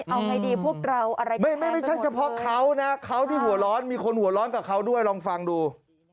เอาไงดีพวกเราอะไรดีไม่ใช่เฉพาะเขานะเขาที่หัวร้อนมีคนหัวร้อนกับเขาด้วยลองฟังดู